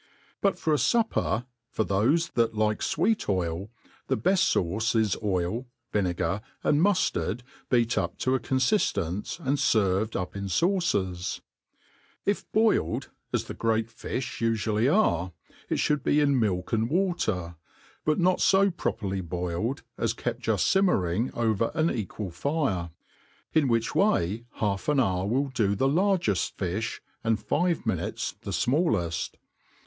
' But for a fupper, for thofe that like fweet oil, the beft fauce IS oil, vinegar, and muilard, beat up to a coafiAtncCf and ferved up in faucers» 1( boiled, as the great fi(h ufually are, it ihould be in milk and water, bqtnot fo properly boiled, as kept juft fimmering over an equal fire ; in which way, half an hour will do the Jargeft fifh, and five minutes th^ fmalleft.